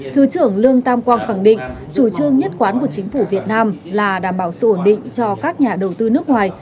thứ trưởng lương tam quang khẳng định chủ trương nhất quán của chính phủ việt nam là đảm bảo sự ổn định cho các nhà đầu tư nước ngoài